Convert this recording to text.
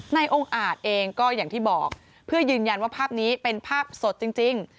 นายองค์อาจเองก็อย่างที่บอกเพื่อยืนยันว่าภาพนี้เป็นภาพสดจริง